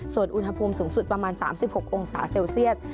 ส่วนอุณหภูมิสูงสุดประมาณ๓๖องศาเซลเซียส